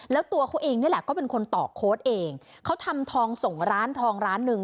แล้วตัวเขาเองนี่แหละก็เป็นคนต่อโค้ดเองเขาทำทองส่งร้านทองร้านหนึ่ง